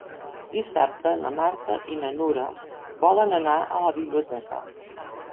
Dissabte na Marta i na Nura volen anar a la biblioteca.